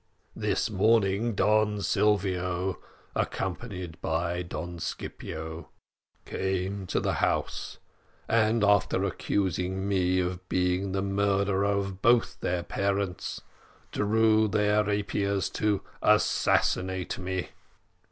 This morning Don Silvio, accompanied by Don Scipio, came to the house, and after accusing me of being the murderer of both their parents, drew their rapiers to assassinate me.